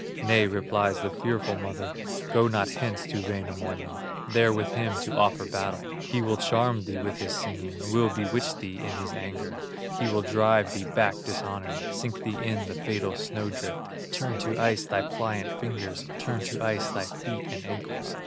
"Nay," replies the fearful mother, "Go not hence to Wainamoinen, There with him to offer battle; He will charm thee with his singing Will bewitch thee in his anger, He will drive thee back dishonored, Sink thee in the fatal snow drift, Turn to ice thy pliant fingers, Turn to ice thy feet and ankles."